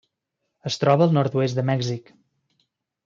Es troba al nord-oest de Mèxic: